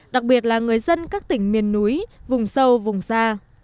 đặc biệt là người dân các tỉnh miền núi vùng sâu vùng xa